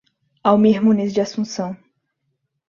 Almir Muniz de Assuncao